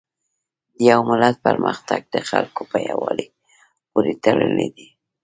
د یو ملت پرمختګ د خلکو په یووالي پورې تړلی دی.